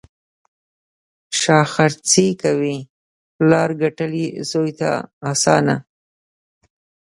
شا خرڅي کوي: پلار ګټلي، زوی ته اسانه.